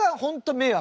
迷惑。